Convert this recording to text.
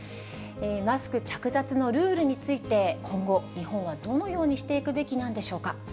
マスク着脱のルールについて、今後、日本はどのようにしていくべきなんでしょうか。